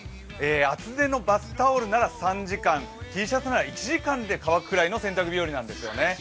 厚手のバスタオルなら３時間、Ｔシャツなら１時間で乾くくらいの洗濯日和なんですよね。